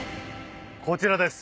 こちらです。